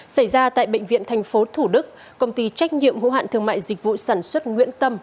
xảy ra tại bệnh viện tp thủ đức công ty trách nhiệm hữu hạn thương mại dịch vụ sản xuất nguyễn tâm